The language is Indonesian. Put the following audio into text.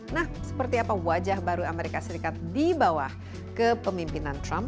nah seperti apa wajah baru amerika serikat dibawah ke pemimpinan trump